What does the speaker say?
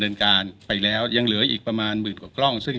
เดินการไปแล้วยังเหลืออีกประมาณหมื่นกว่ากล้องซึ่ง